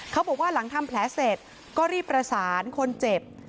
เขาบอกว่าหลังทำแผลเสร็จก็รีบประสานคนเจ็บ